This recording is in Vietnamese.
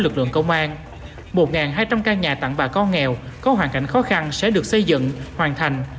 lực lượng công an một hai trăm linh căn nhà tặng bà con nghèo có hoàn cảnh khó khăn sẽ được xây dựng hoàn thành